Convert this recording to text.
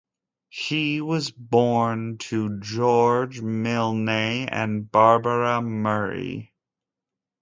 He was born to George Milne and Barbara Murray.